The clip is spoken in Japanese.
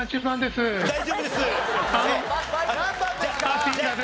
大丈夫ですぅ。